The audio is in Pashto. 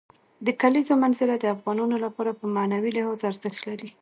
د کلیزو منظره د افغانانو لپاره په معنوي لحاظ ارزښت لري.